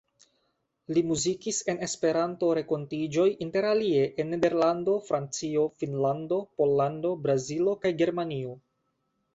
Li muzikis en Esperanto-renkontiĝoj interalie en Nederlando, Francio, Finnlando, Pollando, Brazilo kaj Germanio.